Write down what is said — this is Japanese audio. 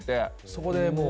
そこでもう。